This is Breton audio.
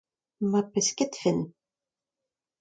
ma pesketfent.